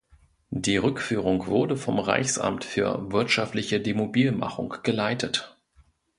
Die Rückführung wurde vom Reichsamt für wirtschaftliche Demobilmachung geleitet.